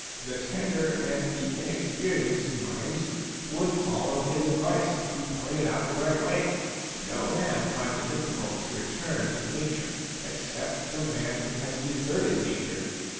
The tender and the inexperienced minds would follow his advice if he pointed out the right way. No man finds it difficult to return to' nature, except the man who has deserted nature.